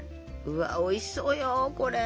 うわおいしそうよこれ！